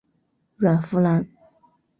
阮福澜。